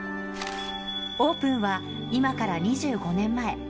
オープンは、今から２５年前。